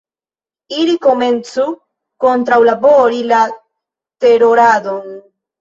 Ili komencu kontraŭlabori la teroradon.